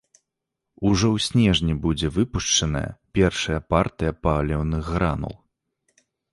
Ужо ў снежні будзе выпушчаная першая партыя паліўных гранул.